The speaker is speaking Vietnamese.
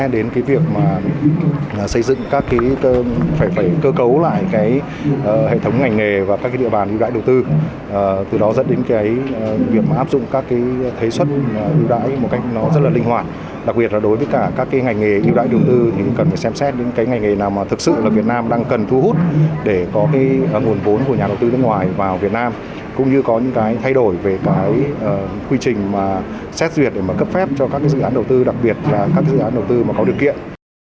để có nguồn vốn của nhà đầu tư nước ngoài vào việt nam cũng như có những thay đổi về quy trình xét duyệt để cấp phép cho các dự án đầu tư đặc biệt là các dự án đầu tư có điều kiện